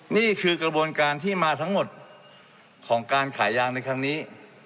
นี่คือกระบวนการที่มาทั้งหมดของการขายยางในครั้งนี้